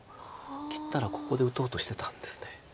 切ったらここで打とうとしてたんです。